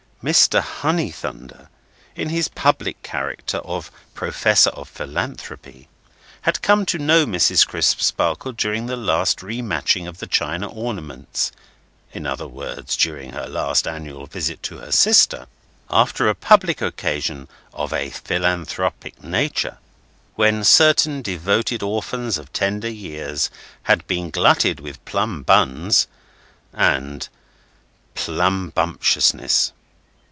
Mr. Honeythunder in his public character of Professor of Philanthropy had come to know Mrs. Crisparkle during the last re matching of the china ornaments (in other words during her last annual visit to her sister), after a public occasion of a philanthropic nature, when certain devoted orphans of tender years had been glutted with plum buns, and plump bumptiousness.